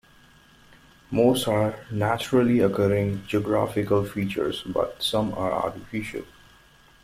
Most are naturally occurring geographical features, but some are artificial.